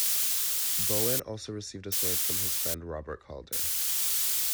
Bowen also received a sword from his friend Robert Calder.